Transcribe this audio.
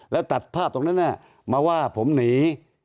แล้วตัดภาพตรงนั้นมาว่าผมหนี